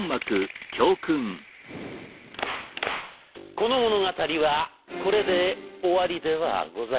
この物語はこれで終わりではございません。